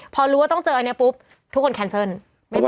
พอรู้ว่าต้องเจออันนี้ปุ๊บทุกคนแคนเซิล